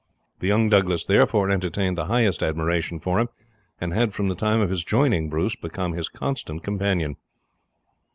The young Douglas therefore entertained the highest admiration for him, and had from the time of his joining Bruce become his constant companion.